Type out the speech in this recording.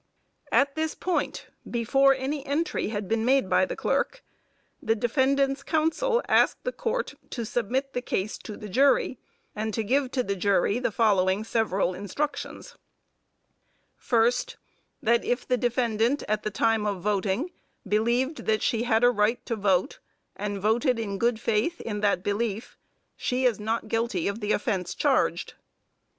At this point, before any entry had been made by the clerk, the defendant's counsel asked the Court to submit the case to the jury, and to give to the jury the following several instructions: First That if the defendant, at the time of voting, believed that she had a right to vote, and voted in good faith in that belief, she is not guilty of the offence charged.